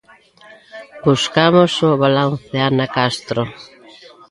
Buscamos o balance, Ana Castro?